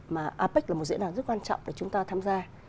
mà apec là một diễn đàn rất quan trọng